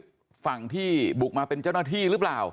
ฝั่งที่บุกมาเป็นเจ้าหน้าที่หรือเปล่า